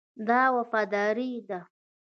دا وفاداري ده.